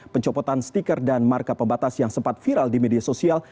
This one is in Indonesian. pencopotan stiker dan marka pembatas yang sempat viral di media sosial